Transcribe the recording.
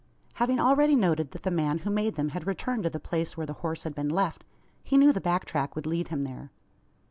Having already noted that the man who made them had returned to the place where the horse had been left, he knew the back track would lead him there.